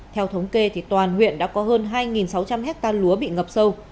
theo thống kê toàn huyện đã có hơn hai sáu trăm linh hectare lúa bị ngập sâu